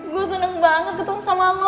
gue seneng banget ketemu sama mama